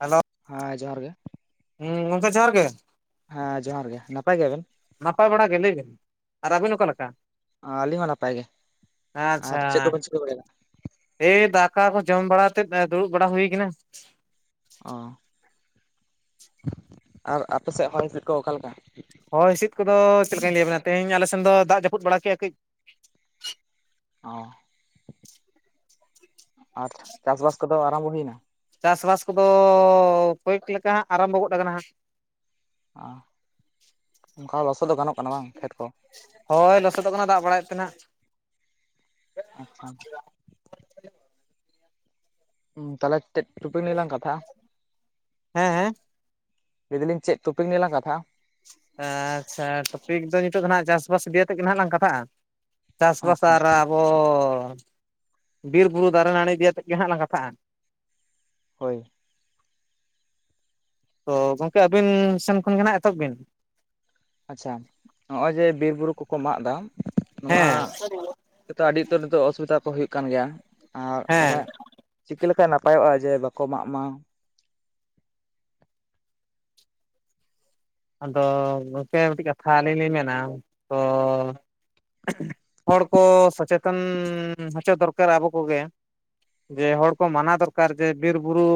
Hello, ᱦᱮᱸ ᱡᱚᱦᱟᱨ ᱜᱮ᱾ ᱦᱩᱸ ᱜᱚᱝᱠᱮ ᱡᱚᱦᱟᱨ ᱜᱮ᱾ ᱦᱮᱸ, ᱡᱚᱦᱟᱨ ᱜᱮ, ᱱᱟᱯᱟᱭ ᱜᱮᱭᱟ ᱵᱮᱱ ᱾ ᱱᱟᱯᱟᱭ ᱵᱟᱲᱟ ᱜᱮ, ᱞᱟᱹᱭ ᱵᱤᱱ, ᱟᱨ, ᱟᱹᱵᱤᱱ ᱚᱠᱟ ᱞᱮᱠᱟ? ᱚᱼ ᱟᱹᱞᱤᱧ ᱢᱟ, ᱱᱟᱯᱟᱭ ᱜᱮ, ᱟᱨ, ᱟᱪᱪᱷᱟ ᱪᱮᱫ ᱠᱚᱵᱮᱱ ᱪᱤᱠᱟᱹ ᱵᱟᱲᱟ ᱮᱼᱫᱟ? ᱮᱭ ᱫᱟᱠᱟ ᱠᱚ, ᱡᱚᱢ ᱵᱟᱲᱟ ᱠᱟᱛᱮᱫ, ᱫᱩᱲᱩᱵ ᱵᱟᱲᱟ ᱦᱩᱭ ᱟᱠᱟᱱᱟ ᱾ ᱚᱼ ᱟᱨ, ᱟᱯᱮ ᱥᱮᱫ, ᱦᱚᱭ ᱦᱤᱥᱤᱫ ᱠᱚ, ᱚᱠᱟ ᱞᱮᱠᱟ? ᱦᱳᱭ ᱦᱤᱥᱤᱫ ᱠᱚᱫᱚ, ᱪᱮᱫ ᱞᱮᱠᱟᱧ ᱞᱟᱹᱭ ᱟᱵᱮᱱᱟ, ᱛᱮᱦᱤᱧ ᱟᱞᱮ ᱥᱮᱱ ᱫᱚ, ᱫᱟᱜ ᱡᱟᱹᱯᱩᱫ ᱵᱟᱲᱟ, ᱠᱮᱫᱼᱟ ᱠᱟᱹᱡ ᱾ ᱚᱻ, ᱟᱨ, ᱪᱟᱥᱵᱟᱥ ᱠᱚᱫᱚ, ᱟᱨᱟᱢᱵᱷᱚ ᱦᱩᱭ ᱮᱱᱟ? ᱪᱟᱥᱵᱟᱥ ᱠᱚᱫᱚ, ᱠᱚᱭ ᱮᱠ ᱞᱮᱠᱟ, ᱟᱨᱟᱢᱵᱷᱚ ᱜᱚᱫ, ᱟᱟᱠᱟᱱᱟ ᱾ ᱟᱸᱼ, ᱚᱱᱠᱟ ᱞᱚᱥᱚᱫ ᱫᱚ, ᱜᱟᱱᱚᱜ ᱠᱟᱱᱟ, ᱵᱟᱝ ᱠᱷᱮᱛ ᱠᱚ? ᱦᱳᱭ! ᱞᱚᱥᱚᱫᱚᱜ ᱠᱟᱱᱟ, ᱫᱟᱜ ᱵᱟᱲᱟᱭᱮᱫ ᱛᱮ, ᱱᱷᱟᱜ ᱾ ᱟᱪᱪᱷᱟ ᱾ ᱛᱟᱦᱚᱞᱮ, ᱴᱮᱫ ᱴᱩᱯᱤᱠ ᱱᱮᱭᱞᱟᱝ, ᱠᱟᱛᱷᱟᱼᱟ? ᱦᱮᱸᱻ ᱦᱮᱸᱻ ᱾ ᱞᱟᱹᱮᱫᱟᱞᱤᱧ ᱪᱮᱫ? ᱴᱚᱯᱤᱠ ᱨᱮᱞᱟᱝ, ᱠᱟᱛᱷᱟᱼᱟ ᱾ ᱟᱻᱪᱪᱷᱟ, ᱴᱚᱯᱤᱠ ᱫᱚ, ᱱᱤᱛᱚᱜ ᱫᱚ ᱦᱟᱸᱜ, ᱪᱟᱥᱵᱟᱥ ᱤᱫᱤ ᱭᱟᱛᱮᱫ ᱜᱮ, ᱦᱟᱸᱜ ᱞᱟᱝ, ᱠᱟᱛᱷᱟᱜᱼᱟ ᱾ ᱪᱟᱥᱼᱵᱟᱥ, ᱟᱪᱪᱷᱟ ᱟᱨ ᱟᱵᱚ, ᱵᱤᱨᱵᱩᱨᱩ ᱫᱟᱨᱮ ᱱᱟᱹᱲᱤ, ᱤᱫᱤ ᱭᱟᱛᱮᱫ ᱜᱮ, ᱦᱟᱸᱜ ᱞᱟᱝ, ᱠᱟᱛᱷᱟᱜᱼᱟ ᱾ ᱦᱳᱭ ᱾ ᱛᱚᱻ, ᱜᱚᱝᱠᱮ, ᱟᱹᱵᱤᱱ ᱥᱮᱱ, ᱠᱷᱚᱱ ᱜᱮ ᱱᱷᱟᱸᱜ, ᱮᱛᱚᱦᱚᱵ ᱵᱤᱱ ᱾ ᱟᱪᱪᱷᱟ, ᱱᱚᱜᱼᱚᱭ ᱡᱮ, ᱵᱤᱨᱼᱵᱩᱨᱩ ᱠᱚᱠᱚ, ᱢᱟᱜ ᱮᱫᱟ, ᱱᱚᱣᱟ ᱦᱮᱸ ᱟᱹᱰᱤ ᱩᱛᱟᱹᱨ, ᱱᱤᱛᱚᱜ ᱚᱥᱩᱵᱤᱫᱟ ᱠᱚ, ᱦᱩᱭᱩᱜ ᱠᱟᱱ ᱜᱮᱭᱟ, ᱟᱨ ᱦᱮᱸ ᱛᱟᱦᱚᱞᱮ ᱪᱤᱠᱟᱹ ᱞᱮᱠᱷᱟᱱ, ᱱᱟᱯᱟᱭᱚᱜᱼᱟ, ᱡᱮ, ᱵᱟᱠᱚ ᱢᱟᱜ ᱢᱟ ᱟᱫᱚ, ᱜᱚᱝᱠᱮ ᱢᱤᱫᱴᱤᱡ, ᱠᱟᱛᱷᱟ ᱟᱹᱞᱤᱧ ᱞᱤᱧ ᱢᱮᱱᱟ, ᱛᱚᱻ, ᱦᱚᱲ ᱠᱚ, ᱥᱚᱪᱮᱛᱚᱱ ᱦᱚᱪᱚ, ᱫᱚᱨᱠᱟᱨᱟ, ᱟᱵᱚ ᱠᱚᱜᱮ ᱡᱮ ᱦᱚᱲ ᱠᱚ, ᱢᱟᱱᱟ ᱫᱚᱨᱠᱟᱨ, ᱡᱮ, ᱵᱤᱨ ᱵᱩᱨᱩ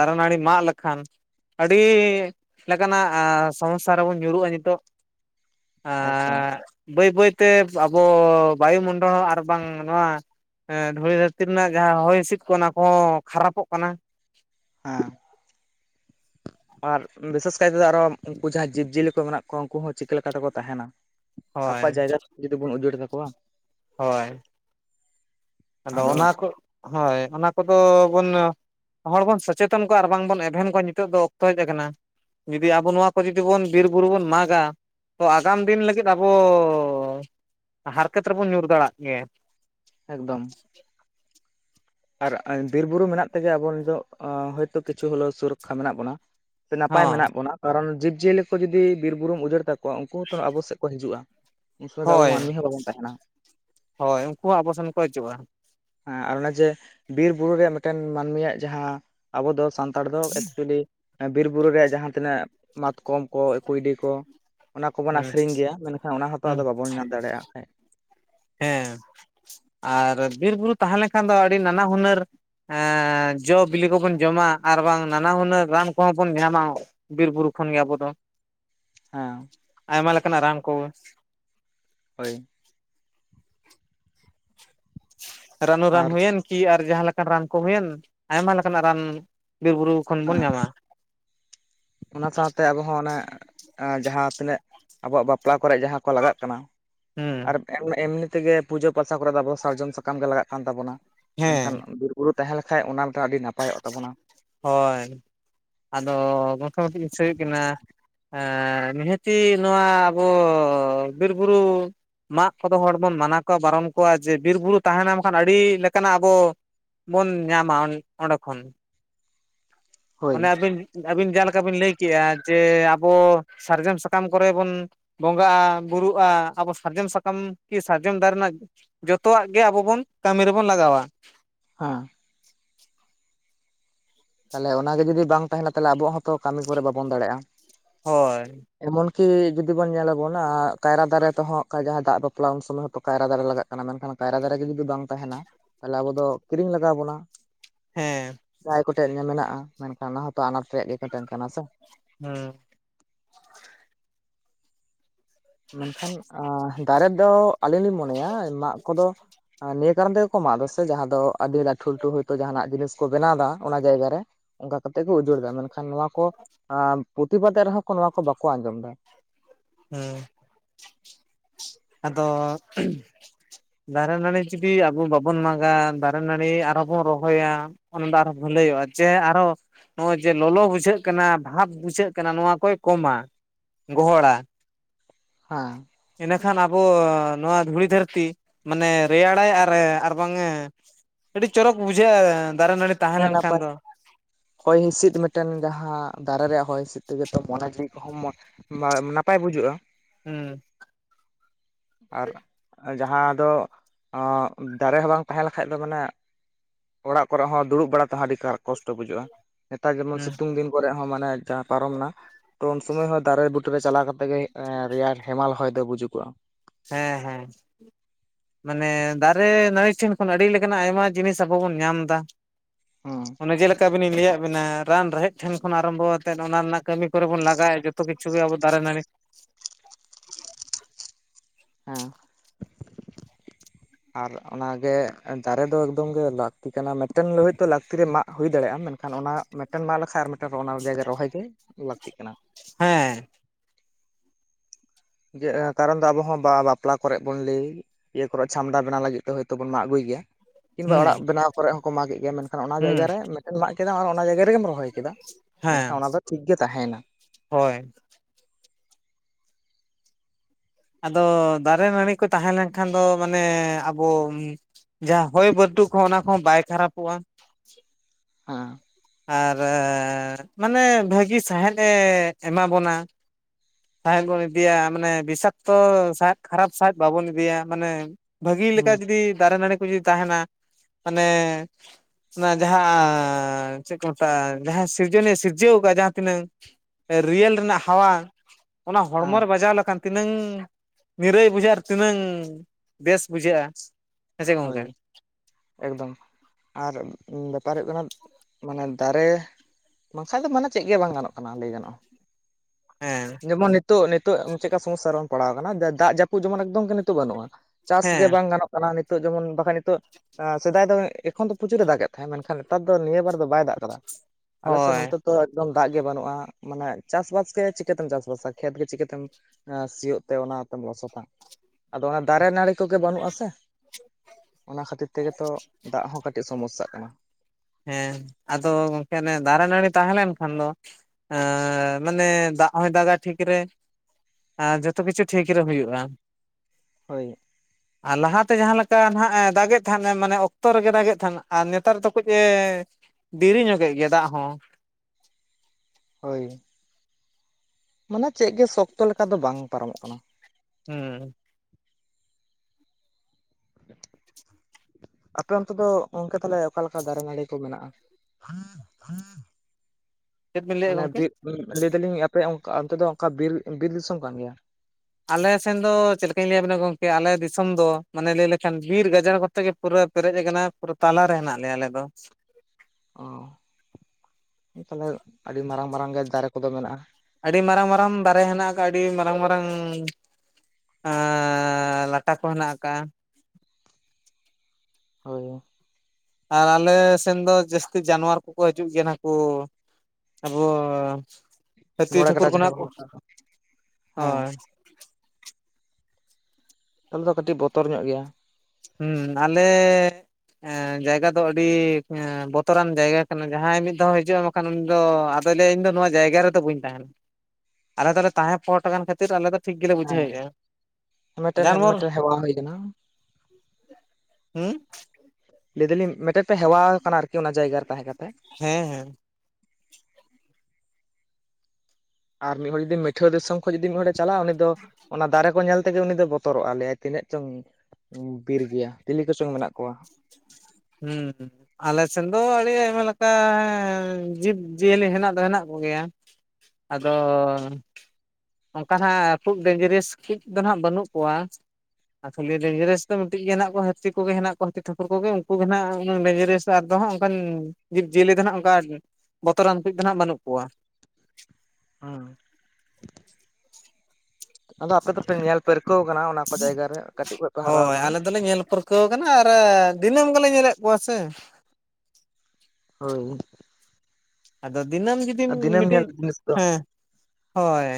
ᱫᱟᱨᱮ ᱱᱟᱹᱲᱤ, ᱢᱟᱜ ᱞᱮᱠᱷᱟᱱ ᱟᱹᱰᱤ, ᱞᱮᱠᱟᱱᱟᱜ ᱥᱚᱢᱚᱥᱥᱟ ᱨᱮᱵᱚᱱ, ᱧᱩᱨᱩᱜᱼᱟ ᱱᱤᱛᱚᱜ, ᱮᱠᱫᱚᱢ ᱟᱨ ᱵᱟᱹᱭ ᱵᱟᱹᱭ ᱛᱮ, ᱟᱵᱚ ᱵᱟᱭᱩ ᱢᱚᱱᱰᱚᱞ ᱦᱚᱸ, ᱟᱨ ᱵᱟᱝ, ᱱᱚᱣᱟ ᱦᱮᱸ, ᱫᱷᱩᱲᱤ ᱫᱷᱟᱹᱨᱛᱤ ᱨᱮᱱᱟᱜ, ᱡᱟᱦᱟᱸ ᱦᱚᱭ ᱦᱤᱥᱤᱫ ᱠᱚ, ᱚᱱᱟ ᱠᱚᱦᱚᱸ, ᱠᱷᱟᱨᱟᱯᱚᱜ ᱠᱟᱱᱟ ᱾ ᱟᱸᱻ ᱾ ᱟᱨ, ᱵᱤᱥᱮᱥ ᱠᱟᱭ ᱛᱮᱫᱚ, ᱟᱨᱚ ᱩᱱᱠᱩ ᱡᱟᱦᱟᱸᱭ ᱡᱤᱵᱽ ᱡᱤᱭᱟᱹᱞᱤ ᱠᱚ, ᱢᱮᱱᱟᱜ ᱠᱚᱣᱟ ᱾ ᱩᱱᱠᱩ ᱦᱚᱸ, ᱪᱤᱠᱟᱹ ᱞᱮᱠᱟ ᱛᱮᱠᱚ ᱛᱟᱦᱮᱱᱟ? ᱦᱳᱭ ᱟᱠᱚᱣᱟᱜ, ᱡᱟᱭᱜᱟ ᱡᱩᱫᱤ ᱵᱚᱱ, ᱩᱡᱟᱹᱲ ᱛᱟᱠᱚᱣᱟ ᱾ ᱦᱳᱭ ᱾ ᱟᱫᱚ ᱚᱱᱟ ᱠᱚ, ᱦᱳᱭ, ᱚᱱᱟ ᱠᱚᱫᱚ ᱵᱚᱱ ᱦᱚᱲ ᱵᱚᱱ ᱥᱚᱪᱮᱛᱚᱱ ᱠᱚᱣᱟ, ᱟᱨ ᱵᱟᱝ ᱵᱚᱱ ᱮᱵᱷᱮᱢ ᱠᱚᱣᱟ, ᱱᱤᱛᱚᱜ ᱫᱚ, ᱚᱠᱛᱚ ᱦᱮᱡ ᱟᱠᱟᱱᱟ ᱾ ᱡᱩᱫᱤ ᱟᱵᱚ, ᱱᱚᱣᱟ ᱠᱚ ᱡᱩᱫᱤ ᱵᱚᱱ, ᱵᱤᱨ ᱵᱩᱨᱩ ᱵᱚᱱ, ᱢᱟᱜᱟ ᱛᱚ, ᱟᱜᱟᱢ ᱫᱤᱱ ᱞᱟᱹᱜᱤᱫ, ᱟᱵᱚᱻ, ᱦᱟᱨᱠᱮᱛ ᱨᱮᱵᱚᱱ, ᱧᱩᱨ ᱫᱟᱲᱭᱟᱜ ᱜᱮᱭᱟ ᱾ ᱮᱠᱫᱚᱢ ᱾ [unintelligible] [unintelligible] ᱟᱨ, ᱵᱤᱨ ᱵᱩᱨᱩ ᱢᱮᱱᱟᱜ ᱛᱮᱜᱮ, ᱟᱵᱚ ᱱᱤᱛᱚᱜ, ᱦᱚᱭᱛᱳ, ᱠᱤᱪᱷᱩ ᱦᱚᱞᱳ, ᱥᱩᱨᱚᱠᱠᱷᱟ ᱢᱮᱱᱟᱜ ᱵᱚᱱᱟ ᱾ ᱛᱤ, ᱱᱟᱯᱟᱭ ᱦᱚᱸ ᱢᱮᱱᱟᱜ ᱵᱚᱱᱟ, ᱠᱟᱨᱚᱱ ᱡᱤᱵᱽ-ᱡᱤᱭᱟᱹᱞᱤ ᱠᱚ, ᱡᱩᱫᱤ ᱵᱤᱨ ᱵᱩᱨᱩᱢ ᱩᱡᱟᱹᱲ ᱛᱟᱠᱚ ᱠᱚᱣᱟ, ᱩᱱᱠᱩ ᱦᱚᱸ ᱛᱚ, ᱟᱵᱚ ᱥᱮᱫ ᱠᱚ, ᱦᱤᱡᱩᱜᱼᱟ ᱾ ᱩᱱ ᱥᱚᱢᱚᱭ ᱫᱚ, ᱟᱵᱚ ᱦᱳᱭ ᱢᱟᱹᱱᱢᱤ ᱦᱚᱸ, ᱵᱟᱵᱚᱱ ᱛᱟᱦᱮᱱᱟ ᱾ ᱦᱳᱭ, ᱩᱱᱠᱩ ᱦᱚᱸ, ᱟᱵᱚ ᱥᱮᱱ ᱠᱚ, ᱦᱤᱡᱩᱜᱼᱟ ᱾ ᱦᱮᱸᱼ, ᱟᱨ ᱚᱱᱮ ᱡᱮ, ᱵᱤᱨ ᱵᱩᱨᱩ ᱨᱮᱭᱟᱜ, ᱢᱤᱫᱴᱮᱱ ᱢᱟᱹᱱᱢᱤᱭᱟᱜ ᱡᱟᱦᱟᱸ, ᱟᱵᱚ ᱫᱚ, ᱥᱟᱱᱛᱟᱲ ᱫᱚ, ᱮᱠᱪᱩᱭᱮᱞᱤ ᱵᱤᱨᱵᱩᱨᱩ ᱨᱮᱭᱟᱜ, ᱡᱟᱦᱟᱸ ᱛᱤᱱᱟᱹᱜ ᱢᱟᱛᱠᱚᱢ ᱠᱚ, ᱠᱩᱭᱸᱰᱤ ᱠᱚ, ᱚᱱᱟ ᱠᱚᱵᱚᱱ ᱦᱩᱸ ᱟᱠᱷᱨᱤᱧ ᱜᱮᱭᱟ, ᱢᱮᱱᱠᱷᱟᱱ, ᱚᱱᱟ ᱦᱚᱸᱛᱚ, ᱦᱩᱸ ᱟᱫᱚ ᱵᱟᱵᱚᱱ ᱧᱟᱢ ᱫᱟᱲᱮᱭᱟᱜᱼᱟ ᱾ ᱦᱮᱸ, ᱦᱮᱸ, ᱟᱨ ᱵᱤᱨ ᱵᱩᱨᱩ ᱛᱟᱦᱮᱸ ᱞᱮᱱᱠᱷᱟᱱ ᱫᱚ ᱟᱹᱰᱤ ᱱᱟᱱᱟ ᱦᱩᱱᱟᱹᱨ ᱦᱮᱸᱡᱚ ᱵᱤᱞᱤ ᱠᱚᱵᱚᱱ ᱡᱚᱢᱟ, ᱟᱨ ᱵᱟᱝ ᱱᱟᱱᱟ ᱦᱩᱱᱟᱹᱨ ᱨᱟᱱ ᱠᱚᱦᱚᱸ ᱵᱚᱱ ᱧᱟᱢᱟ᱾ ᱵᱤᱨ ᱵᱩᱨᱩ ᱠᱷᱚᱱ ᱜᱮ ᱟᱵᱚ ᱫᱚ᱾ ᱦᱮᱸ, ᱟᱭᱢᱟ ᱞᱮᱠᱟᱱᱟᱜ ᱨᱟᱱ ᱠᱚ ᱦᱳᱭ᱾ ᱨᱟᱹᱱᱩ ᱨᱟᱱ ᱟᱨ ᱦᱩᱭᱮᱱ, ᱠᱤ ᱟᱨ ᱡᱟᱦᱟᱸ ᱞᱮᱠᱟᱱ ᱨᱟᱱ ᱠᱚ ᱦᱩᱭᱮᱱ ᱟᱭᱢᱟ ᱞᱮᱠᱟ ᱱᱟᱜ ᱨᱟᱱ ᱵᱤᱨ ᱵᱩᱨᱩ ᱠᱷᱚᱱ ᱵᱳᱱ ᱧᱟᱢᱟ᱾ ᱚᱱᱟ ᱥᱟᱶᱛᱮ ᱟᱵᱚ ᱦᱚᱸ ᱚᱱᱮ ᱮᱜ ᱡᱟᱦᱟᱸ ᱛᱤᱱᱟᱹᱜ ᱟᱵᱚᱣᱟᱜ ᱵᱟᱯᱞᱟ ᱠᱚᱨᱮᱜ ᱡᱟᱦᱟᱸ ᱠᱚ ᱞᱟᱜᱟᱜ ᱠᱟᱱᱟ᱾ ᱦᱩᱸ᱾ ᱮᱢ ᱮᱢᱱᱤ ᱛᱮᱜᱮ ᱯᱩᱡᱟᱹ ᱯᱟᱥᱟ ᱠᱚᱨᱮ ᱫᱚ ᱟᱵᱚ ᱥᱟᱨᱡᱚᱢ ᱥᱟᱠᱟᱢ ᱜᱮ ᱞᱟᱜᱟᱜ ᱠᱟᱱ ᱛᱟᱵᱚᱱᱟ᱾ ᱢᱮᱱᱠᱷᱟᱱ ᱦᱮᱸ ᱵᱤᱨ ᱵᱩᱨᱩ ᱛᱟᱦᱮᱸ ᱞᱮᱠᱷᱟᱡ, ᱚᱱᱟ ᱢᱤᱫᱴᱟᱝ ᱟᱹᱰᱤ ᱱᱟᱯᱟᱭᱚᱜ ᱛᱟᱵᱚᱱᱟ ᱾ ᱦᱚᱭ, ᱟᱫᱚ ᱜᱚᱠᱟ ᱜᱩᱠᱤ ᱫᱤᱥᱟᱹᱭᱮᱜ ᱠᱟᱱᱟ᱾ ᱮ ᱱᱤᱦᱟᱹᱛᱤ ᱱᱚᱣᱟ ᱟᱵᱚ ᱵᱤᱨ ᱵᱩᱨᱩ ᱢᱟᱜ ᱠᱚᱫᱚ ᱦᱚᱲ ᱵᱚᱱ ᱢᱟᱱᱟᱣ ᱠᱚᱣᱟ ᱵᱟᱨᱚᱱ ᱠᱚᱣᱟ ᱡᱮ ᱵᱤᱨᱼᱵᱩᱨᱩ ᱛᱟᱦᱮ ᱞᱮᱱ ᱠᱷᱟᱱ ᱟᱹᱰᱤ ᱞᱮᱠᱟ ᱱᱟᱜ ᱟᱵᱚ ᱵᱚᱱ ᱧᱟᱢᱟ ᱚᱱ ᱚᱸᱰᱮ ᱠᱷᱚᱱ, ᱦᱳᱭ ᱚᱱᱮ ᱟᱹᱵᱤᱱ ᱟᱵᱤᱱ ᱡᱟᱦᱟᱸ ᱞᱮᱠᱟ ᱵᱤᱱ ᱞᱟᱹᱭ ᱠᱮᱜ-ᱟ ᱡᱮ ᱟᱵᱚ ᱥᱟᱨᱡᱚᱢ ᱥᱟᱠᱟᱢ ᱠᱚᱨᱮ ᱵᱚᱱ ᱵᱚᱸᱜᱟᱜᱼᱟ, ᱵᱩᱨᱩᱜᱼᱟ, ᱟᱵᱚ ᱥᱟᱨᱡᱚᱢ ᱥᱟᱠᱟᱢ ᱠᱤ ᱥᱟᱨᱡᱚᱢ ᱫᱟᱨᱮ ᱨᱮᱱᱟᱜ ᱡᱚᱛᱚᱣᱟᱜ ᱜᱮ ᱟᱵᱚ ᱵᱚᱱ ᱠᱟᱢᱤ ᱨᱮᱵᱚᱱ ᱞᱟᱜᱟᱣᱟ ᱾ ᱦᱟᱸ, ᱛᱟᱦᱚᱞᱮ ᱚᱱᱟ ᱜᱮ ᱡᱩᱫᱤ ᱵᱟᱝ ᱛᱟᱦᱮᱱᱟ, ᱛᱟᱦᱚᱞᱮ ᱟᱵᱚᱣᱟᱜ ᱦᱚᱸᱛᱚ ᱠᱟᱢᱤ ᱠᱚᱨᱮ ᱵᱟᱵᱚᱱ ᱫᱟᱲᱮᱜᱼᱟ᱾ ᱦᱚᱭ᱾ ᱮᱢᱚᱱ ᱠᱤ ᱡᱩᱫᱤ ᱵᱚᱱ ᱧᱮᱞᱟᱵᱚᱱ ᱟᱜ ᱠᱟᱭᱨᱟ ᱫᱟᱨᱮ ᱛᱮᱦᱚᱸ ᱠᱟ ᱡᱟᱦᱟᱸ ᱫᱟᱜ ᱵᱟᱯᱞᱟ ᱩᱱ ᱥᱚᱢᱟᱹᱭ ᱦᱚᱸ ᱛᱚ ᱠᱟᱭᱨᱟ ᱫᱟᱨᱮ ᱞᱟᱜᱟᱜ ᱠᱟᱱᱟ᱾ ᱢᱮᱱᱠᱷᱟᱱ ᱠᱟᱭᱨᱟ ᱫᱟᱨᱮ ᱜᱮ ᱡᱩᱫᱤ ᱵᱟᱝ ᱛᱟᱦᱮᱱᱟ, ᱛᱟᱦᱚᱞᱮ ᱟᱵᱚ ᱫᱚ ᱠᱤᱨᱤᱧ ᱞᱟᱜᱟᱣ ᱵᱳᱱᱟ᱾ ᱦᱮᱸ᱾ ᱠᱚ ᱴᱮᱡ ᱧᱮ ᱢᱮᱱᱟᱜ-ᱟ, ᱢᱮᱱᱠᱷᱟᱱ ᱚᱱᱟ ᱦᱚᱸ ᱛᱚ ᱟᱱᱟᱴ ᱨᱮᱭᱟᱜ ᱜᱮ ᱠᱟᱴᱮᱱ ᱠᱟᱱᱟ ᱥᱮ᱾ ᱦᱩᱸ᱾ ᱢᱮᱱᱠᱷᱟᱱ ᱟ ᱫᱟᱨᱮ ᱫᱚ ᱟᱞᱤᱧ ᱞᱤᱧ ᱢᱚᱱᱮᱭᱟ ᱦᱮᱸ ᱢᱟᱜ ᱠᱚᱫᱚ ᱱᱤᱭᱟᱹ ᱠᱟᱨᱚᱱ ᱛᱮᱜᱮ ᱠᱚ ᱢᱟᱜ ᱫᱟ ᱥᱮ ᱡᱟᱦᱟᱸ ᱫᱚ ᱟᱰᱤ ᱞᱟᱴᱷᱩ ᱴᱷᱩ ᱦᱚᱭ ᱡᱟᱦᱟᱸ ᱱᱟᱜ ᱡᱤᱱᱤᱥ ᱠᱚ ᱵᱮᱱᱟᱣ ᱫᱟ ᱚᱱᱟ ᱡᱟᱭᱜᱟ ᱨᱮ᱾ ᱚᱱᱠᱟ ᱠᱟᱛᱮᱜ ᱠᱚ ᱩᱡᱟᱹᱲ ᱫᱟ, ᱢᱮᱱ ᱠᱷᱟᱱ ᱱᱚᱣᱟ ᱠᱚ ᱟ ᱯᱨᱩᱛᱤᱼᱵᱟᱫᱮᱜ ᱨᱮᱦᱚᱸ ᱱᱚᱣᱟ ᱠᱚ ᱵᱟᱠᱚ ᱟᱸᱡᱚᱢ ᱫᱟ᱾ ᱦᱮᱸ᱾ ᱟᱫᱚ ᱫᱟᱨᱮ ᱱᱟᱹᱲᱤ ᱡᱩᱫᱤ ᱟᱵᱚ ᱵᱟᱵᱚᱱ ᱢᱟᱜᱟ, ᱫᱟᱨᱮ ᱱᱟᱹᱲᱤ ᱟᱨᱦᱚᱸ ᱵᱚᱱ ᱨᱚᱦᱚᱭᱟ ᱚᱱᱟ ᱫᱚ ᱟᱨᱚ ᱵᱷᱟᱹᱞᱟᱹᱭᱚᱜᱼᱟ, ᱡᱮ ᱟᱨᱚ ᱱᱚᱜᱼᱚᱭ ᱡᱮ ᱞᱚᱞᱚ ᱵᱩᱡᱷᱟᱹᱜ ᱠᱟᱱᱟ, ᱵᱷᱟᱵᱽ ᱵᱩᱡᱷᱟᱹᱜ ᱠᱟᱱᱟ, ᱱᱚᱣᱟ ᱠᱚᱭ ᱠᱚᱢᱟ ᱜᱚᱦᱚᱲᱟ᱾ ᱦᱟᱸ᱾ ᱠᱷᱟᱱ ᱟᱵᱚ ᱱᱚᱣᱟ ᱫᱷᱩᱲᱤ ᱫᱷᱟᱹᱨᱛᱤ ᱢᱟᱱᱮ ᱨᱮᱭᱟᱲᱟᱭ ᱟᱨ ᱟᱨ ᱵᱟᱝᱮ ᱟᱹᱰᱤᱠ‌ ᱪᱚᱨᱚᱠ ᱵᱩᱡᱷᱟᱹᱜᱼᱟ, ᱟ ᱫᱟᱨᱮ ᱱᱟᱹᱲᱤ ᱛᱟᱦᱮᱸ ᱦᱮᱸ ᱞᱮᱱᱠᱷᱟᱱ ᱱᱟᱯᱟᱭ᱾ ᱫᱚ ᱦᱚᱭ ᱦᱤᱥᱤᱫ ᱢᱤᱫᱴᱮᱱ ᱡᱟᱦᱟᱸ ᱫᱟᱨᱮ ᱨᱮᱭᱟᱜ ᱦᱚᱭ ᱦᱤᱥᱤᱫ ᱛᱮᱜᱮ ᱛᱚ ᱢᱚᱱᱮ ᱡᱤᱣᱤ ᱠᱚᱦᱚᱸ ᱢᱚ ᱵᱟ ᱱᱟᱯᱟᱭ ᱵᱩᱡᱷᱟᱹᱜᱼᱟ᱾ ᱦᱩᱸ᱾ ᱟᱨ ᱟ ᱡᱟᱦᱟᱸ ᱫᱚ ᱚᱸᱜ ᱫᱟᱨᱮ ᱦᱚᱸ ᱵᱟᱝ ᱛᱟᱦᱮᱸ ᱞᱮᱠᱷᱟᱡ ᱫᱚ ᱢᱟᱱᱮ ᱚᱲᱟᱜ ᱠᱚᱨᱮ ᱦᱚᱸ ᱫᱩᱲᱩᱵ ᱵᱟᱲᱟ ᱛᱟᱦᱮᱸ ᱟᱹᱰᱤ ᱠᱟᱨ ᱠᱚᱥᱴᱚ ᱵᱩᱡᱷᱟᱹᱜᱼᱟ ᱱᱮᱛᱟᱨ ᱡᱮᱢᱚᱱ ᱦᱩᱸ ᱥᱤᱛᱩᱝ ᱫᱤᱱ ᱠᱚᱨᱮ ᱦᱚᱸ ᱢᱟᱱᱮ ᱡᱟᱦᱟᱸ ᱯᱟᱨᱚᱢᱱᱟ ᱛᱚ ᱩᱱ ᱥᱚᱢᱚᱭ ᱦᱚᱸ ᱫᱟᱨᱮ ᱵᱩᱴᱟᱹ ᱨᱮ ᱪᱟᱞᱟᱣ ᱠᱟᱛ ᱛᱮᱜᱮ ᱮᱸ ᱨᱮᱭᱟᱲ ᱦᱮᱢᱟᱞ ᱦᱚᱭ ᱫᱚ ᱵᱩᱡᱩᱠᱚᱜᱼᱟ᱾ ᱦᱮᱸ ᱦᱮᱸ᱾ ᱢᱟᱱᱮ ᱫᱟᱨᱮ ᱱᱟᱹᱲᱤ ᱴᱷᱮᱱ ᱠᱷᱚᱱ ᱟᱹᱰᱤ ᱞᱮᱠᱟᱱᱟᱜ ᱟᱭᱢᱟ ᱡᱤᱱᱤᱥ ᱟᱵᱚ ᱵᱚᱱ ᱧᱟᱢ ᱫᱟ᱾ ᱦᱩᱸ ᱚᱱᱮ ᱡᱮᱞᱮᱠᱟ ᱟᱹᱵᱤᱱᱤᱧ ᱞᱟᱹᱭᱟᱜ ᱵᱤᱱᱟ ᱨᱟᱱ ᱨᱮᱦᱮᱜ ᱴᱷᱮᱱ ᱠᱷᱚᱱ ᱟᱨᱟᱢᱵᱚᱣ ᱟᱛᱮᱫ ᱚᱱᱟ ᱨᱮᱱᱟᱜ ᱠᱟᱹᱢᱤ ᱠᱚᱨᱮ ᱵᱚᱱ ᱞᱟᱜᱟᱭᱟ ᱡᱚᱛᱚ ᱠᱤᱪᱷᱩ ᱜᱮ ᱟᱵᱚ ᱫᱟᱨᱮ ᱱᱟᱹᱲᱤ ᱦᱮᱸ᱾ ᱟᱨ ᱚᱱᱟᱜᱮ ᱫᱟᱨᱮ ᱫᱚ ᱮᱠᱫᱚᱢ ᱜᱮ ᱞᱟᱹᱠᱛᱤ ᱠᱟᱱᱟ ᱢᱤᱫᱴᱮᱱ ᱞᱟᱹᱠᱛᱤ ᱫᱚ ᱢᱟᱜ ᱦᱩᱭ ᱫᱟᱲᱮᱭᱟᱜᱼᱟ ᱢᱮᱱ ᱠᱷᱟᱱ ᱚᱱᱟ ᱢᱤᱫᱴᱮᱱ ᱢᱟᱜ ᱞᱮᱠᱷᱟᱱ ᱟᱨ ᱢᱤᱫᱴᱮᱱ ᱚᱱᱟ ᱡᱟᱭᱜᱟ ᱨᱚᱦᱚᱭ ᱜᱮ ᱞᱟᱹᱠᱛᱤᱜ ᱠᱟᱱᱟ᱾ ᱦᱮᱸ᱾ ᱡᱮ ᱠᱟᱨᱚᱱ ᱫᱚ ᱟᱵᱚ ᱦᱚᱸ ᱵᱟ ᱵᱟᱯᱞᱟ ᱠᱚᱨᱮᱜ ᱵᱚᱱ ᱞᱟᱹᱭ᱾ ᱤᱭᱟᱹ ᱠᱚᱨᱮ ᱪᱷᱟᱢᱰᱟ ᱵᱮᱱᱟᱣ ᱞᱟᱹᱜᱤᱫ ᱛᱚ ᱦᱳᱭᱛᱳ ᱵᱚᱱ ᱢᱟᱜ ᱟᱹᱜᱩᱭ ᱜᱮᱭᱟ᱾ ᱠᱤᱢᱵᱟ ᱦᱩᱸ ᱚᱲᱟᱜ ᱵᱮᱱᱟᱣ ᱠᱚᱨᱮ ᱦᱚᱸᱠᱚ ᱢᱟᱜᱮᱜ ᱜᱮᱭᱟ ᱢᱮᱱᱠᱷᱟᱱ ᱚᱱᱟ ᱦᱩᱸ ᱡᱟᱭᱜᱟ ᱨᱮ ᱢᱤᱫᱴᱮᱱ ᱢᱟᱜ ᱠᱮᱫᱟᱢ ᱟᱨ ᱚᱱᱟ ᱡᱟᱭᱜᱟ, ᱨᱮᱜᱮᱢ ᱨᱚᱦᱚᱭ ᱠᱮᱫᱟ ᱢᱮᱱᱠᱷᱟᱱ ᱦᱮᱸ ᱚᱱᱟ ᱫᱚ ᱴᱷᱤᱠ ᱜᱮ ᱛᱟᱦᱮᱸᱭᱮᱱᱟ᱾ ᱦᱳᱭ᱾ ᱟᱫᱚ ᱫᱟᱨᱮ ᱱᱟᱹᱲᱤ ᱠᱚ ᱛᱟᱦᱮᱸ ᱞᱮᱱᱠᱷᱟᱱ ᱫᱚ ᱢᱟᱱᱮ ᱟᱵᱚ, ᱡᱟᱦᱟᱸ ᱦᱚᱭ ᱵᱟᱹᱨᱰᱩᱜ ᱠᱚᱦᱚᱸ ᱚᱱᱟ ᱠᱚᱦᱚᱸ ᱵᱟᱭ ᱠᱷᱟᱨᱟᱯᱚᱜᱼᱟ᱾ ᱦᱮᱸ᱾ ᱟᱨ ᱢᱟᱱᱮ ᱵᱷᱟᱹᱜᱤ ᱥᱟᱸᱦᱮᱫ ᱮ ᱮᱢᱟ ᱵᱚᱱᱟ᱾ ᱥᱟᱸᱦᱮᱫ ᱵᱚᱱ ᱤᱫᱤᱭᱟ ᱢᱟᱱᱮ ᱵᱤᱥᱟᱠᱛᱚ ᱥᱟᱸᱦᱮᱫ ᱠᱷᱟᱨᱟᱯ ᱥᱟᱸᱫ ᱵᱟᱵᱚᱱ ᱤᱫᱤᱭᱟ ᱾ ᱵᱷᱟᱹᱜᱤ ᱦᱩᱸ ᱞᱮᱠᱟ ᱡᱩᱫᱤ ᱫᱟᱨᱮ ᱱᱟᱹᱲᱤ ᱠᱚ ᱡᱩᱫᱤ ᱛᱟᱦᱮᱱᱟ ᱢᱟᱱᱮ ᱚᱱᱟ ᱡᱟᱦᱟᱸ ᱪᱮᱫ ᱠᱚ ᱢᱮᱛᱟᱜᱼᱟ ᱡᱟᱦᱟᱸ ᱥᱤᱨᱡᱚᱱᱤᱭ ᱥᱤᱨᱡᱟᱹᱣ ᱠᱟᱜᱼᱟ ᱡᱟᱦᱟᱸ ᱛᱤᱱᱟᱹᱜ ᱨᱤᱭᱮᱞ ᱨᱮᱱᱟᱜ ᱦᱟᱣᱟ ᱚᱱᱟ ᱦᱚᱲᱢᱚᱨ ᱦᱮᱸ ᱨᱮ ᱵᱟᱡᱟᱣ ᱞᱮᱠᱷᱟᱱ, ᱛᱤᱱᱟᱹᱝ ᱱᱤᱨᱟᱹᱭ ᱵᱩᱡᱷᱟᱹᱜᱼᱟ ᱟᱨ ᱛᱤᱱᱟᱹᱝ ᱵᱮᱥ ᱵᱩᱡᱷᱟᱹᱜᱼᱟ᱾ ᱦᱮᱸᱥᱮ ᱜᱚᱝᱠᱮ ᱦᱳᱭ᱾ ᱮᱠᱫᱚᱢ ᱟᱨ ᱵᱮᱯᱟᱨ ᱦᱩᱭᱩᱜ ᱠᱟᱱᱟ ᱢᱟᱱᱮ ᱫᱟᱨᱮ ᱵᱟᱝᱠᱷᱟᱡᱽ ᱫᱚ ᱢᱟᱱᱮ ᱪᱮᱫ ᱜᱮ ᱵᱟᱝ ᱜᱟᱱᱚᱜ ᱠᱟᱱᱟ ᱞᱟᱹᱭ ᱜᱟᱱᱚᱜᱼᱟ ᱦᱮᱸ ᱡᱮᱢᱚᱱ ᱱᱤᱛᱚᱜ ᱱᱤᱛᱚᱜ ᱪᱮᱫᱠᱟ ᱥᱚᱢᱚᱥᱟ ᱨᱮᱢ ᱯᱟᱲᱟᱣ ᱠᱟᱱᱟ ᱫᱟᱜ ᱡᱟᱹᱯᱩ ᱡᱮᱢᱚᱱ ᱮᱠᱫᱚᱢ ᱜᱮ ᱱᱤᱛᱚᱜ ᱵᱟᱹᱱᱩᱜᱼᱟ ᱪᱟᱥ ᱜᱮ ᱦᱮᱸ ᱵᱟᱝ ᱜᱟᱱᱚᱜ, ᱠᱟᱱᱟ ᱱᱤᱛᱚᱜ ᱡᱮᱢᱚᱱ ᱵᱟᱠᱷᱟᱱ ᱱᱤᱛᱚᱜ, ᱥᱮᱫᱟᱭ ᱫᱚ ᱮᱠᱷᱚᱱ ᱫᱚ ᱯᱨᱚᱪᱩᱨᱮ ᱫᱟᱜ ᱮᱫ ᱛᱟᱦᱮᱸᱫ ᱢᱮᱱᱠᱷᱟᱱ ᱱᱮᱛᱟᱨ ᱫᱚ ᱱᱤᱭᱟᱹ ᱵᱟᱨ ᱫᱚ ᱵᱟᱭ ᱫᱟᱜ ᱠᱟᱫᱟ᱾ ᱟᱞᱮ ᱥᱮᱫ ᱦᱳᱭ ᱱᱚᱛᱮ, ᱛᱚ ᱮᱠᱫᱚᱢ ᱫᱟᱜ ᱜᱮ ᱵᱟᱹᱱᱩᱜᱼᱟ ᱢᱟᱱᱮ ᱪᱟᱥᱵᱟᱥ ᱜᱮ ᱪᱤᱠᱟᱹᱛᱮᱢ ᱪᱟᱥᱵᱟᱥᱟ ᱠᱷᱮᱛ ᱜᱮ ᱪᱤᱠᱟᱹᱛᱮᱢ ᱥᱤᱭᱳᱜ ᱛᱮ ᱚᱱᱟᱛᱮᱢ ᱞᱚᱥᱚᱫᱟ ᱟᱫᱚ ᱚᱱᱟ ᱫᱟᱨᱮ ᱱᱟᱹᱲᱤ ᱠᱚᱜᱮ ᱵᱟᱹᱱᱩᱜᱼᱟ ᱥᱮ, ᱚᱱᱟ ᱠᱷᱟᱹᱛᱤᱨ ᱛᱮᱜᱮ ᱛᱚ ᱫᱟᱜ ᱦᱚᱸ ᱠᱟᱹᱴᱤᱡ ᱥᱚᱢᱚᱥᱥᱟᱜ ᱠᱟᱱᱟ᱾ ᱦᱮᱸ ᱟᱫᱚ ᱜᱚᱝᱠᱮ ᱚᱱᱮ ᱫᱟᱨᱮ ᱱᱟᱹᱲᱤ ᱛᱟᱦᱮᱸ ᱞᱮᱱᱠᱷᱟᱱ ᱫᱚ, ᱮᱻ ᱢᱟᱱᱮ ᱫᱟᱜ ᱦᱚᱭ ᱫᱟᱜᱼᱟ ᱴᱷᱤᱠ ᱨᱮ, ᱟᱨ ᱡᱷᱚᱛᱚ ᱠᱤᱪᱷᱩ ᱴᱷᱤᱠ ᱨᱮ ᱦᱩᱭᱩᱜᱼᱟ᱾ ᱦᱳᱭ᱾ ᱟᱨ ᱞᱟᱦᱟᱛᱮ ᱡᱟᱦᱟᱸ ᱞᱮᱠᱟ ᱦᱟᱸᱜ ᱫᱟᱜᱮᱫ ᱛᱟᱦᱮᱫ ᱢᱟᱱᱮ ᱚᱠᱛᱚ ᱨᱮᱜᱮ ᱫᱟᱜᱮᱫ ᱛᱟᱦᱮᱫ ᱟᱨ ᱱᱮᱛᱟᱨ ᱫᱚ, ᱠᱟᱹᱡᱽ ᱮ ᱫᱮᱨᱤ ᱧᱚᱜ ᱜᱮᱭᱟ ᱫᱟᱜ ᱦᱚᱸ ᱦᱳᱭ᱾ ᱢᱟᱱᱮ ᱪᱮᱫ ᱜᱮ ᱥᱚᱠᱛᱚ ᱞᱮᱠᱟ ᱫᱚ ᱵᱟᱝ ᱯᱟᱨᱚᱢᱚᱜ ᱠᱟᱱᱟ᱾ ᱦᱩᱸ᱾ [inaudible] ᱟᱯᱮ ᱚᱱᱛᱮ ᱫᱚ ᱚᱱᱠᱮ ᱛᱟᱦᱚᱞᱮ ᱚᱠᱟᱞᱮᱠᱟ ᱫᱟᱨᱮ ᱱᱟᱹᱲᱤ ᱠᱚ ᱢᱮᱱᱟᱜ-ᱟ? ᱪᱮᱫ ᱵᱤᱱ [inaudible] ᱞᱟᱹᱭᱮᱫᱼᱟ ᱢᱟᱱᱮ ᱜᱚᱝᱠᱮ ᱵᱤᱨ ᱞᱟᱹᱭ ᱫᱟᱞᱤᱧ ᱟᱯᱮ ᱚᱱᱛᱮ ᱫᱚ ᱚᱱᱠᱟ ᱵᱤᱨ ᱵᱤᱨ ᱫᱤᱥᱚᱢ ᱠᱟᱱ ᱜᱮᱭᱟ᱾ ᱟᱞᱮ ᱥᱮᱱ ᱫᱚ ᱪᱮᱫ ᱞᱮᱠᱟᱧ ᱞᱟᱹᱭ ᱟᱵᱮᱱᱟ ᱜᱚᱝᱠᱮ ᱟᱞᱮ ᱫᱤᱥᱚᱢ ᱫᱚ ᱢᱟᱱᱮ ᱞᱟᱹᱭ ᱞᱮᱠᱷᱟᱱ ᱵᱤᱨ ᱜᱟᱡᱟᱲ ᱠᱚᱛᱮ ᱜᱮ ᱯᱩᱨᱟᱹ ᱯᱮᱨᱮᱡ ᱠᱟᱱᱟ ᱯᱩᱨᱟᱹ ᱛᱟᱞᱟᱨᱮ ᱦᱮᱱᱟᱜ ᱞᱮᱭᱟ ᱟᱞᱮ ᱫᱚ ᱚ ᱛᱟᱦᱚᱞᱮ ᱟᱹᱰᱤ ᱢᱟᱨᱟᱝ ᱢᱟᱨᱟᱝ ᱜᱮ ᱫᱟᱨᱮ ᱠᱚᱫᱚ ᱢᱮᱱᱟᱜ-ᱟ᱾ ᱟᱹᱰᱤ ᱢᱟᱨᱟᱝ ᱢᱟᱨᱟᱝ ᱫᱟᱨᱮ ᱦᱮᱱᱟᱜ ᱟᱠᱟᱫ ᱟᱹᱰᱤ ᱢᱟᱨᱟᱝ ᱢᱟᱨᱟᱝ ᱟᱨ ᱞᱟᱴᱟ ᱠᱚ ᱦᱮᱱᱟᱜ ᱟᱠᱟᱜ ᱾ ᱦᱳᱭ ᱟᱞᱮ ᱥᱮᱱ ᱫᱚ ᱡᱟᱹᱥᱛᱤ ᱡᱟᱱᱣᱟᱨ ᱠᱚᱠᱚ ᱦᱤᱡᱩᱜ ᱜᱮᱭᱟ ᱱᱟᱠᱩ ᱾ ᱟᱵᱚ ᱦᱟᱹᱛᱤ ᱢᱚᱬᱮ ᱴᱷᱟᱹᱠᱩᱨ ᱠᱟᱴᱟ ᱵᱚᱱᱟ ᱡᱟᱦᱟᱸ ᱵᱚᱱ ᱠᱚ ᱢᱮᱛᱟᱜ ᱫᱚ, ᱦᱮᱸ ᱦᱳᱭ ᱛᱟᱦᱚᱞᱮ ᱫᱚ ᱠᱟᱹᱴᱤᱡ ᱵᱚᱛᱚᱨ ᱧᱚᱜ ᱜᱮᱭᱟ ᱾ ᱦᱮᱸ ᱟᱞᱮ ᱮᱸ ᱡᱟᱭᱜᱟ ᱫᱚ ᱟᱹᱰᱤ ᱵᱚᱛᱚᱨᱟᱱ ᱡᱟᱭᱜᱟ ᱠᱟᱱᱟ ᱡᱟᱦᱟᱸᱭ ᱢᱤᱫ ᱫᱷᱟᱣ ᱦᱤᱡᱩᱜᱼᱟ ᱠᱷᱟᱱ ᱩᱱ ᱫᱚ ᱟᱫᱚᱭ ᱞᱟ. ᱭ ᱟ ᱤᱧ ᱫᱚ ᱱᱚᱣᱟ ᱡᱟᱭᱜᱟ ᱨᱮᱫᱚ ᱵᱟᱹᱧ ᱛᱟᱦᱮᱱᱟ ᱟᱞᱮ ᱫᱚᱞᱮ ᱛᱟᱦᱮᱸ ᱯᱚᱴ ᱟᱠᱟᱱ ᱠᱷᱟᱹᱛᱤᱨ ᱟᱞᱮ ᱫᱚ ᱴᱷᱤᱠ ᱜᱮᱞᱮ ᱵᱩᱡᱷᱟᱹᱣᱮᱫᱼᱟ ᱡᱟᱱᱢᱚᱨ ᱪᱟᱵᱠ ᱦᱩᱭ ᱠᱟᱱᱟ ᱦᱩᱸ ᱞᱟᱹᱭ ᱫᱟᱞᱤᱧ ᱢᱤᱫᱴᱮᱱ ᱯᱮ ᱦᱮᱣᱟ ᱟᱠᱟᱱᱟ ᱟᱨᱠᱤ ᱚᱱᱟ ᱡᱟᱭᱜᱟ ᱨᱮ ᱛᱟᱦᱮᱸ ᱠᱟᱛᱮ᱾ ᱦᱮᱸ ᱦᱮᱸ ᱟᱨ ᱢᱤᱫ ᱦᱚᱲ ᱡᱩᱫᱤ ᱢᱤᱴᱷᱣᱟᱹ ᱫᱤᱥᱚᱢ ᱠᱷᱚᱱ ᱡᱩᱫᱤ ᱢᱤᱫ ᱦᱚᱲᱮ ᱪᱟᱞᱟᱜᱼᱟ ᱩᱱᱤ ᱫᱚᱻ ᱚᱱᱟ ᱫᱟᱨᱮ ᱠᱚ ᱧᱮᱞ ᱛᱮᱜᱮ ᱩᱱᱤ ᱫᱚ ᱵᱚᱛᱚᱨᱚᱜᱼᱟ ᱞᱟᱹᱭ ᱟᱭ ᱛᱤᱱᱟᱹᱜ ᱪᱚᱝ ᱵᱤᱨ ᱜᱮᱭᱟ ᱛᱤᱞᱤ ᱠᱚᱪᱚᱝ ᱢᱮᱱᱟᱜ ᱠᱚᱣᱟ᱾ ᱦᱩᱸ᱾ ᱟᱞᱮ ᱥᱮᱱ ᱫᱚ ᱟᱹᱰᱤ ᱟᱭᱢᱟ ᱞᱮᱠᱟ ᱡᱤᱵᱽ ᱡᱤᱭᱟᱹᱞᱤ ᱦᱮᱱᱟᱜ ᱫᱚ ᱦᱮᱱᱟᱜ ᱠᱚᱜᱮᱭᱟ᱾ ᱟᱫᱚ ᱚᱱᱠᱟ ᱦᱟᱸᱜ ᱠᱷᱩᱜ ᱰᱮᱱᱡᱟᱨᱮᱥ ᱫᱚ ᱟᱸᱜ ᱵᱟᱹᱱᱩᱜ ᱠᱚᱣᱟ ᱟᱨ ᱠᱷᱟᱹᱞᱤ ᱰᱮᱧᱡᱮᱨᱮᱥᱥ ᱫᱚ ᱢᱤᱫᱴᱤᱡ ᱜᱮ ᱰᱮᱱᱡᱟᱨᱮᱥ ᱫᱚ ᱢᱤᱴᱮᱡ ᱜᱮ ᱦᱮᱱᱟᱜ ᱠᱚᱣᱟ ᱦᱟᱹᱛᱤ ᱠᱚᱜᱮ ᱦᱮᱱᱟᱜ ᱠᱚᱣᱟ ᱦᱟᱹᱛᱤ ᱴᱷᱟᱹᱠᱩᱨ ᱠᱚᱜᱮ ᱩᱱᱠᱩ ᱜᱮ ᱱᱟᱜ ᱩᱱᱟᱹᱜ ᱰᱮᱱᱡᱟᱨᱮᱥ ᱟᱫᱚ ᱦᱟᱜ ᱚᱱᱠᱟᱱ ᱡᱤᱵᱽ ᱡᱤᱭᱟᱹᱞᱤ ᱫᱚ ᱱᱟᱜ ᱚᱱᱠᱟ ᱵᱚᱛᱚᱨᱟᱱ ᱠᱚᱡ ᱫᱚ ᱱᱟᱜ ᱵᱟᱹᱱᱩᱜ ᱠᱚᱣᱟ ᱦᱩᱸ ᱟᱫᱚ ᱟᱯᱮ ᱫᱚᱯᱮ ᱧᱮᱞ ᱯᱟᱹᱨᱠᱟᱹᱣ ᱟᱠᱟᱱᱟ ᱚᱱᱟ ᱠᱚ ᱡᱟᱭᱜᱟᱨᱮ ᱠᱟᱹᱴᱤᱡ ᱠᱷᱚᱡ ᱯᱮ ᱦᱟᱨᱟ ᱦᱳᱭ ᱟᱠᱟᱱᱟ ᱟᱞᱮ ᱫᱚᱞᱮ ᱧᱮᱞ ᱯᱟᱹᱨ ᱠᱟᱹᱣ ᱠᱟᱱᱟ ᱟᱨ ᱫᱤᱱᱟᱹᱢ ᱜᱮᱞᱮ ᱧᱮᱞᱮᱫ ᱠᱚᱣᱟ ᱥᱮ ᱦᱳᱭ ᱟᱫᱚ ᱫᱤᱱᱟᱹᱢ ᱡᱩᱫᱤᱢ ᱟᱨ ᱫᱤᱱᱟᱹᱢ ᱢᱤᱫᱴᱤᱡ ᱧᱮᱞ ᱡᱤᱱᱤᱥ ᱫᱚ ᱦᱮᱸ ᱦᱳᱭ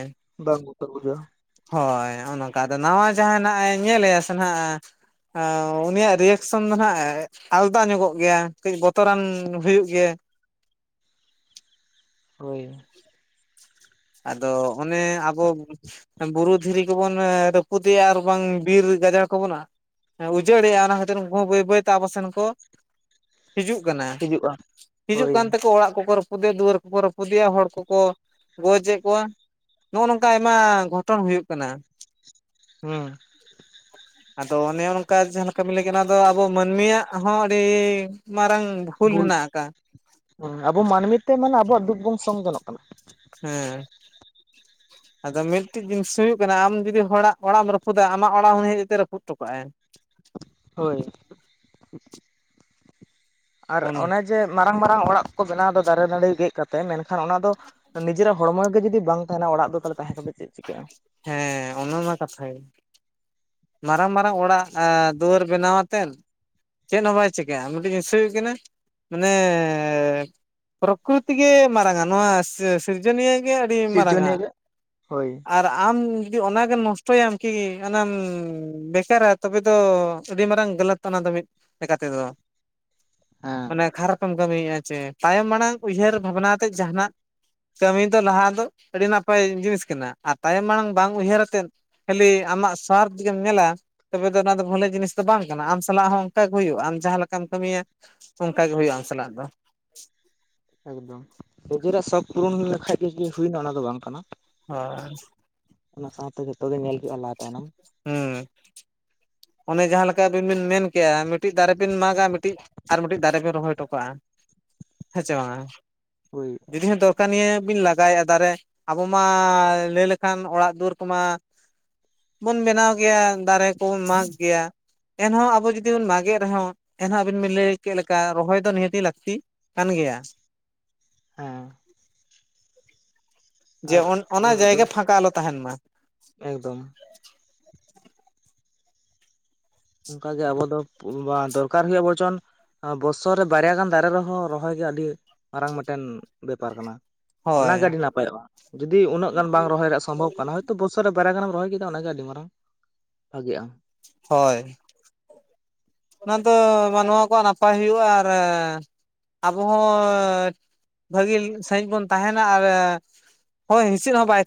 ᱵᱟᱝ ᱵᱚᱛᱚᱨ ᱵᱩᱡᱟᱹᱜᱼᱟ ᱾ ᱦᱳᱭ ᱱᱚᱜᱼᱚᱭ ᱱᱚᱝᱠᱟ ᱟᱫᱚ ᱱᱟᱣᱟ ᱡᱟᱦᱟᱸ ᱱᱟᱜᱼᱮ ᱧᱮᱞ ᱮᱭᱟ ᱥᱮ ᱦᱟᱜ ᱦᱮᱸ ᱩᱱᱤᱭᱟᱜ ᱨᱤᱭᱮᱠᱥᱚᱱ ᱫᱚ ᱦᱟᱜᱼᱮ ᱟᱞᱫᱟ ᱧᱚᱜᱚᱜ ᱜᱮᱭᱟ ᱠᱟᱹᱡ ᱵᱚᱛᱚᱨᱟᱱ ᱦᱩᱭᱩᱜ ᱜᱮᱭᱟ. ᱦᱳᱭ ᱟᱫᱚ ᱚᱱᱮ ᱟᱵᱚ ᱵᱩᱨᱩᱫ ᱫᱷᱤᱨᱤ ᱠᱚᱵᱚᱱ ᱨᱟᱹᱯᱩᱫᱮᱭᱟ ᱟᱨ ᱵᱟᱝ ᱵᱤᱨ ᱜᱟᱡᱟᱲ ᱠᱚᱵᱚᱱ ᱩᱡᱟᱹᱲᱮᱜᱼᱟ ᱚᱱᱟ ᱠᱷᱟᱹᱛᱤᱨ ᱩᱱᱠᱩ ᱵᱟᱹᱭ ᱵᱟᱹᱭᱛᱮ ᱟᱵᱚ ᱥᱮᱱ ᱠᱚ ᱦᱤᱡᱩᱜ ᱠᱟᱱᱟ ᱦᱤᱡᱩᱜᱼᱟ ᱦᱤᱡᱩᱜ ᱦᱳᱭ ᱠᱟᱱ ᱛᱮ ᱠᱚ ᱚᱲᱟᱜ ᱠᱚᱠᱚ ᱯᱩᱫᱮ ᱫᱩᱣᱟᱹᱨ ᱠᱚ ᱠᱚ ᱨᱟᱹ ᱯᱩᱫᱮᱭᱟ ᱦᱚᱲ ᱠᱚᱠᱚ ᱜᱚᱡᱮᱜ ᱠᱚᱣᱟ ᱱᱚᱜᱼᱚ ᱱᱚᱝᱠᱟ ᱟᱭᱢᱟ ᱜᱷᱚᱴᱚᱱ ᱦᱩᱭᱩᱜ ᱠᱟᱱᱟ᱾ ᱦᱮᱸ ᱟᱫᱚ ᱚᱱᱮ ᱚᱝᱼᱠᱟ ᱡᱟᱦᱟᱸᱱ ᱠᱟᱹᱢᱤ ᱞᱟᱹ ᱜᱤᱹᱫ ᱚᱱᱟ ᱫᱚ ᱟᱵᱚ ᱢᱟᱹᱱᱢᱤᱭᱟᱜ ᱦᱚᱸ ᱟᱹᱰᱤ ᱢᱟᱨᱟᱝ ᱵᱷᱩᱞ ᱵᱩᱞ ᱦᱮᱱᱟᱜ ᱟᱠᱟᱜ ᱦᱸ ᱟᱵᱚ ᱢᱟᱱᱢᱤᱛᱮ ᱢᱟᱱᱮ ᱟᱵᱚᱣᱟᱜ ᱫᱩᱠ ᱵᱚᱱ ᱥᱚᱝ ᱡᱚᱱᱚᱜ ᱠᱟᱱᱟ᱾ ᱦᱮᱸ [inaudible] ᱟᱫᱚ ᱢᱤᱫᱴᱤᱡ ᱡᱤᱱᱤᱥ ᱦᱩᱭᱩᱜ ᱠᱟᱱᱟ ᱟᱢ ᱡᱩᱫᱤ ᱦᱚᱲᱟᱜ ᱚᱲᱟᱜ ᱮᱢ ᱨᱟᱹᱯᱩᱫᱟ ᱟᱢᱟᱜ ᱚᱲᱟᱜ ᱦᱚᱸ ᱦᱮᱡ ᱡᱟᱛᱮ ᱨᱟᱹᱯᱩᱫ ᱚᱴᱚᱠᱟᱜᱼᱟᱭ ᱦᱳᱭ᱾ ᱟᱨ ᱚᱱᱚ ᱚᱱᱮ ᱡᱮ ᱢᱟᱨᱟᱝ ᱢᱟᱨᱟᱝ ᱚᱲᱟᱜ ᱠᱚ ᱠᱚ ᱵᱮᱱᱟᱣᱫᱟ ᱫᱟᱨᱮ ᱱᱟᱹᱲᱤ ᱜᱮᱡ ᱪ ᱠᱟᱛᱮ ᱢᱮᱱᱠᱷᱟᱱ ᱚᱱᱟ ᱫᱚ ᱱᱤᱡᱮᱨᱟᱜ ᱦᱚᱲᱢᱚ ᱜᱮ ᱡᱩᱫᱤ ᱵᱟᱝ ᱛᱟᱦᱮᱱᱟ, ᱚᱲᱟᱜ ᱫᱚ ᱛᱟᱦᱚᱞᱮ ᱛᱟᱦᱮᱸ ᱠᱟᱛᱮ ᱪᱮᱫ ᱪᱤᱠᱟᱹᱜᱼᱟ᱾ ᱦᱮᱸ ᱚᱱᱟ ᱢᱟ ᱠᱟᱛᱷᱟ ᱜᱮ᱾ ᱢᱟᱨᱟᱝ ᱢᱟᱨᱟᱝ ᱚᱲᱟᱜ ᱮᱸ ᱫᱩᱣᱟᱹᱨ ᱵᱮᱱᱟᱣᱟ ᱟᱛᱮᱱᱼᱼ ᱪᱮᱫ ᱦᱚᱸ ᱵᱟᱭ ᱪᱤᱠᱠᱟᱹᱜᱼᱟ ᱢᱤᱫᱴᱤᱡ ᱤᱥᱟᱹᱭ ᱠᱟᱱᱟ ᱢᱟᱱᱮ ᱯᱨᱚᱠᱨᱤᱛᱤ ᱜᱮ ᱢᱟᱨᱟᱝᱟ ᱱᱚᱣᱟ ᱥᱮᱼᱼ ᱥᱤᱨᱡᱚᱱᱤᱭᱟᱹ ᱜᱮ ᱟᱹᱰᱤ ᱢᱟᱨᱟᱝᱼᱟ ᱥᱤᱨᱡᱚᱱᱤᱭᱟᱹ ᱜᱮ ᱦᱳᱭ ᱟᱨᱼᱼ ᱟᱢ ᱡᱩᱫᱤ ᱚᱱᱟᱜᱮᱢ ᱱᱚᱥᱴᱚᱭᱟᱢ ᱠᱤ ᱚᱱᱟᱢ ᱵᱮᱪᱟᱨᱟ ᱛᱚᱵᱮ ᱫᱚ ᱟᱹᱰᱤ ᱢᱟᱨᱟᱝ ᱜᱟᱞᱟᱛ ᱚᱱᱟ ᱫᱚ ᱢᱤᱫ ᱞᱮᱠᱟ ᱛᱮᱫᱚ᱾ ᱦᱮᱸ ᱢᱟᱱᱮ ᱠᱷᱟᱨᱟᱯᱮᱢ ᱠᱟᱹᱢᱤᱼᱟ ᱥᱮ ᱛᱟᱭᱚᱢ ᱢᱟᱲᱟᱝ ᱩᱭᱦᱟᱹᱨ ᱵᱷᱟᱵᱽᱱᱟ ᱠᱟᱛᱮᱫ ᱡᱟᱦᱟᱱᱟᱜ ᱠᱟᱹᱢᱤ ᱫᱚ ᱞᱟᱦᱟ ᱫᱚ ᱟᱹᱰᱤ ᱱᱟᱯᱟᱭ ᱡᱤᱱᱤᱥ ᱠᱟᱱᱟ ᱟᱨ ᱛᱟᱭᱚᱢ ᱢᱟᱲᱟᱝ ᱵᱟᱝ ᱩᱭᱦᱟᱹᱨ ᱟᱛᱮᱫᱼᱼ ᱠᱷᱟᱞᱤ ᱟᱢᱟᱜ ᱥᱣᱟᱨᱫᱷ ᱜᱮᱢ ᱧᱮᱞᱟ ᱛᱚᱵᱮ ᱫᱚ ᱱᱚᱣᱟ ᱫᱚ ᱵᱟᱹᱞᱮ ᱡᱤᱱᱤᱥ ᱫᱚ ᱵᱟᱝ ᱠᱟᱱᱟ ᱟᱢ ᱥᱟᱞᱟᱜ ᱦᱚᱸ ᱚᱱᱠᱟ ᱜᱮ ᱦᱩᱭᱩᱜᱼᱟ ᱟᱢ ᱡᱟᱦᱟᱸ ᱞᱮᱠᱟᱢ ᱠᱟᱹᱢᱤᱭᱟ᱾ ᱚᱱᱠᱟ ᱜᱮ ᱦᱩᱭᱩᱜᱼᱟ ᱟᱢ ᱥᱟᱞᱟᱜ ᱫᱚ ᱮᱠᱫᱚᱢ ᱱᱤᱡᱮᱨᱟᱜ ᱥᱚᱠ ᱯᱩᱨᱩᱱ ᱞᱮᱠᱷᱟᱡ ᱜᱮ ᱡᱮ ᱦᱩᱭᱱᱟ ᱚᱱᱟ ᱫᱚ ᱵᱟᱝ ᱠᱟᱱᱟ᱾ ᱦᱚᱭ ᱚᱱᱟ ᱥᱟᱶᱛᱮ ᱡᱷᱚᱛᱚ ᱜᱮ ᱧᱮᱞ ᱦᱩᱭᱩᱜᱼᱟ ᱞᱟᱦᱟ ᱛᱟᱭᱱᱚᱢ᱾ ᱦᱩᱸ ᱚᱱᱮ ᱡᱟᱦᱟᱸ ᱞᱮᱠᱟ ᱟᱵᱤᱱ ᱵᱤᱱ ᱢᱮᱱ ᱠᱮᱜᱼᱟ ᱢᱤᱫᱴᱤᱡ ᱫᱟᱨᱮ ᱵᱤᱱ ᱢᱟᱜᱟ ᱢᱤᱫᱴᱤᱡᱼᱼ ᱟᱨ ᱢᱤᱫᱴᱤᱡ ᱫᱟᱨᱮ ᱵᱤᱱ ᱨᱚᱦᱚᱭ ᱴᱚᱠᱟᱜᱼᱟ ᱦᱮᱸ ᱥᱮ ᱵᱟᱝᱼᱟ᱾ ᱦᱳᱭ ᱡᱩᱫᱤ ᱦᱚᱸ ᱫᱚᱨᱠᱟᱨ ᱱᱤᱭᱟᱹ ᱵᱤᱱ ᱞᱟᱜᱟᱭᱮᱫᱼᱟ ᱫᱟᱨᱮ, ᱟᱵᱚ ᱢᱟ ᱞᱟᱹᱭ ᱞᱮᱠᱷᱟᱱ ᱚᱲᱟᱜ ᱫᱩᱣᱟᱹᱨ ᱠᱚᱢᱟ᱾ ᱵᱚᱱ ᱵᱮᱱᱟᱣ ᱜᱮᱭᱟ ᱫᱟᱨᱮ ᱠᱚᱵᱚᱱ ᱢᱟᱜᱽ ᱜᱮᱭᱟ᱾ ᱮᱱᱦᱚᱸ ᱟᱵᱚ ᱡᱩᱫᱤ ᱵᱚᱱ ᱢᱟᱜᱮᱫ ᱨᱮᱦᱚᱸ ᱮᱱᱦᱚᱸ ᱟᱵᱤᱱ ᱵᱤᱱ ᱞᱟᱹᱭ ᱠᱮᱫ ᱞᱮᱠᱟ ᱨᱚᱦᱚᱭ ᱫᱚ ᱱᱤᱦᱟᱹᱛᱤ ᱞᱟᱹᱠᱛᱤ᱾ ᱠᱟᱱ ᱜᱮᱭᱟ᱾ ᱦᱮᱸ ᱡᱮ ᱟᱨ ᱚᱱᱟ ᱡᱟᱭᱜᱟ ᱯᱷᱟᱸᱠᱟ ᱟᱞᱚ ᱛᱟᱦᱮᱱ ᱢᱟ᱾ ᱮᱠᱫᱚᱢ ᱚᱱᱠᱟᱜᱮ ᱟᱵᱚ ᱫᱚ ᱫᱚᱨᱠᱟᱨ ᱦᱩᱭᱩᱜ ᱟ ᱵᱚᱨᱪᱚᱱ᱾ ᱵᱚᱥᱚᱨ ᱨᱮ ᱵᱟᱨᱭᱟ ᱜᱟᱱ ᱫᱟᱨᱮ ᱨᱮᱦᱚᱸ ᱨᱚᱦᱚᱭ ᱜᱮ ᱟᱹᱰᱤ ᱢᱟᱨᱟᱝ ᱢᱤᱫᱴᱮᱱ ᱵᱮᱯᱟᱨ ᱠᱟᱱᱟ᱾ ᱦᱳᱭ ᱚᱱᱟᱜᱮ ᱟᱹᱰᱤ ᱱᱟᱯᱟᱭᱚᱜᱼᱟ ᱡᱩᱫᱤ ᱩᱱᱟᱹᱜ ᱜᱟᱱ ᱵᱟᱝ ᱨᱚᱦᱚᱭ ᱨᱮᱭᱟᱜ ᱥᱚᱢᱵᱷᱚᱵ ᱠᱟᱱᱟ᱾ ᱛᱚ ᱵᱚᱥᱚᱨ ᱨᱮ ᱵᱟᱨᱮᱭᱟ ᱜᱟᱱᱮᱢ ᱨᱚᱦᱚᱭ ᱠᱮᱫᱟ ᱚᱱᱟᱜᱮ ᱟᱹᱰᱤ ᱢᱟᱨᱟᱝ ᱵᱷᱟᱜᱤᱜᱼᱟ᱾ ᱦᱳᱭ ᱚᱱᱟ ᱫᱚ ᱢᱟᱱᱣᱟ ᱠᱚᱣᱟᱜ ᱱᱟᱯᱟᱭ ᱦᱩᱭᱩᱜᱼᱟ ᱟᱨᱼᱼ ᱟᱵᱚ ᱦᱚᱸ ᱵᱷᱟᱹᱜᱤ ᱥᱟᱦᱤᱡ ᱵᱚᱱ ᱛᱟᱦᱮᱱᱟ ᱟᱨᱼᱼ ᱦᱳᱭ ᱦᱤᱥᱤᱫ ᱦᱚᱸ ᱵᱟᱭ